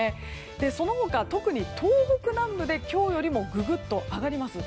その他、特に東北南部で今日よりもググッと上がります。